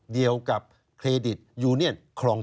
ชีวิตกระมวลวิสิทธิ์สุภาณฑ์